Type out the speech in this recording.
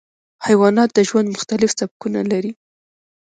حیوانات د ژوند مختلف سبکونه لري.